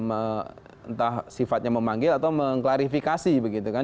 entah sifatnya memanggil atau mengklarifikasi begitu kan